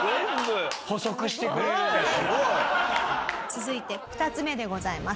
続いて２つ目でございます。